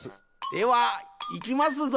ではいきますぞ。